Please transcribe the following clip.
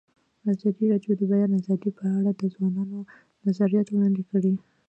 ازادي راډیو د د بیان آزادي په اړه د ځوانانو نظریات وړاندې کړي.